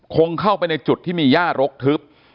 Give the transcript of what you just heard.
คงเข้าไปในจุดที่มีย่ารกทึบ